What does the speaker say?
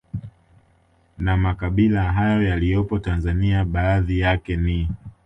Na makabila hayo yaliyopo Tanzania baadhi yake ni